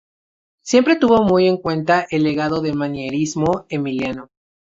Siempre tuvo muy en cuenta el legado del manierismo emiliano.